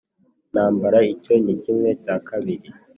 ntambara Icyo ni kimwe cyakabiri